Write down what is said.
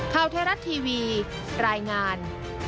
ข่าวไทยรัฐทีวีรายงาน